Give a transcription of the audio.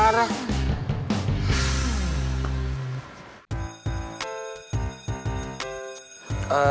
ya dia marah